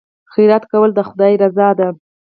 خیرات کول د خدای رضا ده.